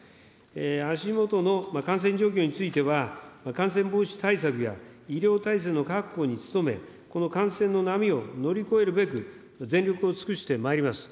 足下の感染状況については、感染防止対策や医療体制の確保に努め、この感染の波を乗り越えるべく、全力を尽くしてまいります。